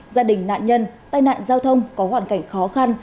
gia đình nạn nhân tai nạn giao thông có hoàn cảnh khó khăn